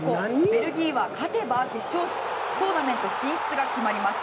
ベルギーは勝てば決勝トーナメント進出が決まります。